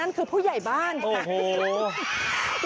คือผู้ใหญ่บ้านค่ะ